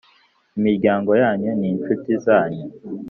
imiryango yanyu n'inshuti zanyu